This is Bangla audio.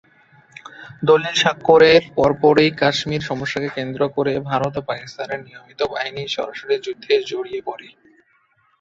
দলিল স্বাক্ষরের পরপরই কাশ্মীর সমস্যাকে কেন্দ্র করে ভারত ও পাকিস্তানের নিয়মিত বাহিনী সরাসরি যুদ্ধে জড়িয়ে পড়ে।